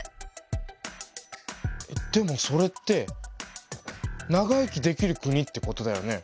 でもそれって長生きできる国ってことだよね。